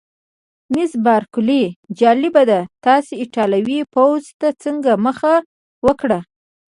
مس بارکلي: جالبه ده، تاسي ایټالوي پوځ ته څنګه مخه وکړه؟